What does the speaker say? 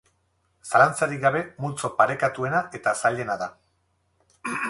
Zalantzarik gabe multzo parekatuena eta zailena da.